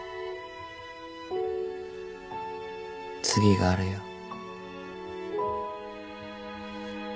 次があるよ。